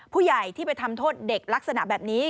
ผู้ใหญ่ที่ไปทำโทษเด็กลักษณะแบบนี้